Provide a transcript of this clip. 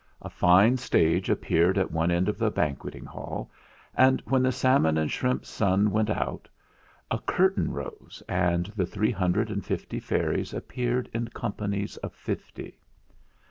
A fine stage appeared at one end of the banquet ing hall, and when the salmon and shrimp sun went out a curtain rose and the three hun dred and fifty fairies appeared in companies of fifty.